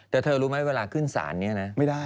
แต่เธอรู้ไหมเวลาขึ้นศาลนี้นะ